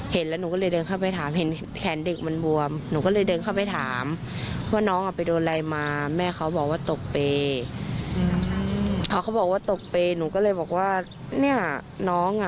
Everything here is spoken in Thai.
ไปโรงพยาบาลหมอก็บอกว่าอันเนี่ยไม่ได้ตกเปลี่ยนะ